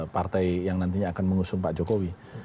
partai yang nantinya akan mengusung pak jokowi